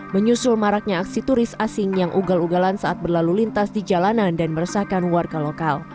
menyusul maraknya aksi turis asing yang ugal ugalan saat berlalu lintas di jalanan dan meresahkan warga lokal